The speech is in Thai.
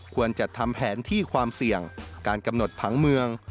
ควรจัดทำแผนที่ความเสี่ยงการกำหนดผังเมือง